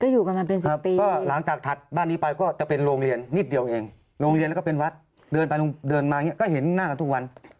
อยู่กันมาเป็น๑๐ปีก็หลังจากถัดบ้านนี้ไปก็จะเป็นโรงเรียนนิดเดียวเองโรงเรียนแล้วก็เป็นวัดเดินไปเดินมาอย่างนี้ก็เห็นหน้ากันทุกวัน